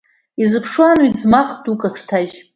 Изыԥшуан уи ӡмах дук аҽҭажь.